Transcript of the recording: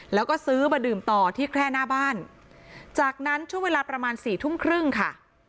แล้วก็ซื้อมาดื่มต่อที่แค่หน้าบ้านจากนั้นช่วงเวลาประมาณสี่ทุ่มครึ่งค่ะ